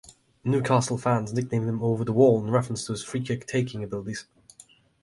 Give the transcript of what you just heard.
Newcastle fans nicknamed him "over-the-wall", in reference to his free-kick taking abilities.